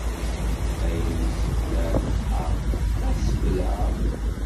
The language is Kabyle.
Ayen isseblaɛ lebḥeṛ, ay sbelɛeɣ.